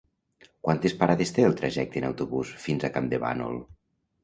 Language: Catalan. Quantes parades té el trajecte en autobús fins a Campdevànol?